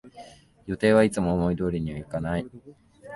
予定はいつも思い通りにいかない